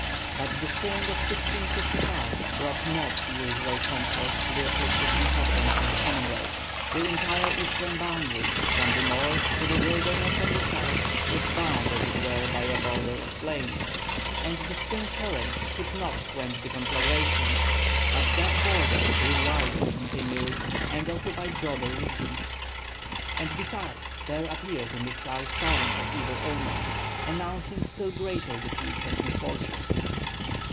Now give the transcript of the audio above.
But the spring of 1655 brought not the usual comfort to the afflicted inhabitants of the Commonwealth. The entire eastern boundary, from the north to the wilderness on the south, was bound as it were by a border of flame; and the spring torrents could not quench the conflagration, but that border grew wider continually and occupied broader regions. And besides there appeared in the sky signs of evil omen, announcing still greater defeats and misfortunes.